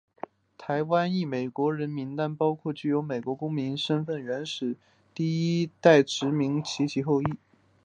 台湾裔美国人名单包括具有美国公民身份的原始第一代移民及其后裔。